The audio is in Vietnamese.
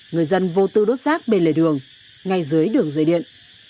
người dân vô tư đốt rác bên lề đường ngay dưới đường dây điện